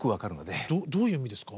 どういう意味ですか？